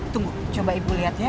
tunggu coba ibu liat ya